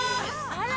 あら！